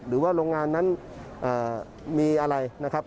หรือว่าโรงงานนั้นมีอะไรนะครับ